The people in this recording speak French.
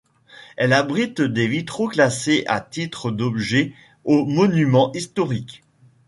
Elle abrite des vitraux classé à titre d'objet aux Monuments historiques.